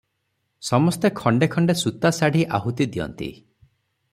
ସମସ୍ତେ ଖଣ୍ଡେ ଖଣ୍ଡେ ସୂତା ଶାଢ଼ୀ ଆହୁତି ଦିଅନ୍ତି ।